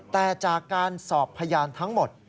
แต่จากการสอบพยานทั้งหมด